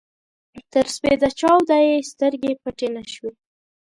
تر سپېده چاوده يې سترګې پټې نه شوې.